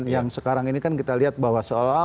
yang sekarang ini kan kita lihat bahwa seolah olah